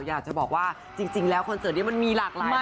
อยากจะบอกว่าจริงแล้วคอนเสิร์ตนี้มันมีหลากหลาย